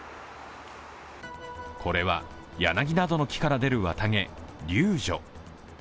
これは柳などの木から出る綿毛、柳絮。